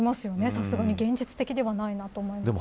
さすがに現実的ではないなと思います。